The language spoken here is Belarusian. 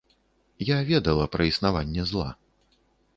Я ведала пра існаванне зла.